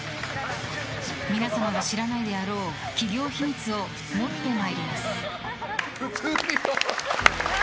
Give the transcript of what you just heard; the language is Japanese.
皆様が知らないであろう企業秘密を持ってまいります！